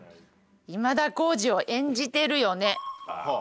「今田耕司を演じてるよね？」。